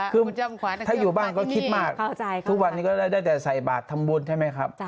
คือถ้าอยู่บ้านก็คิดมากทุกวันนี้ก็ได้แต่ใส่บาททำบุญใช่ไหมครับ